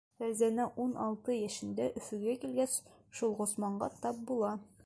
Фәрзәнә ун алты йәшендә, Өфөгә килгәс, шул Ғосманға тап була.